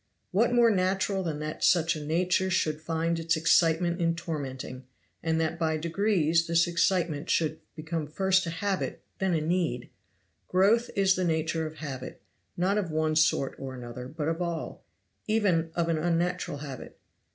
What more natural than that such a nature should find its excitement in tormenting, and that by degrees this excitement should become first a habit then a need? Growth is the nature of habit, not of one sort or another but of all even of an unnatural habit.